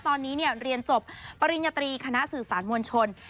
ตอนนี้เรียนจบปริญญาตรีคณะสื่อสารมวลชน